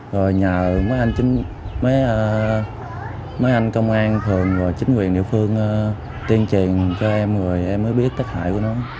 rồi nhờ mấy anh công an phường và chính quyền địa phương tuyên truyền cho em rồi em mới biết tác hại của nó